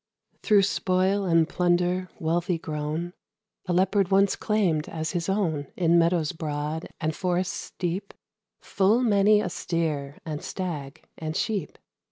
Through spoil and plunder, wealthy grown, A Leopard once claimed as his own, In meadows broad, and forests deep, Full many a steer, and stag, and sheep.